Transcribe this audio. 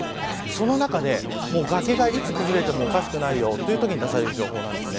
その中で崖がいつ崩れてもおかしくないよというときに出される情報です。